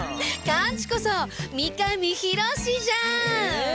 カンチこそ三上博史じゃん！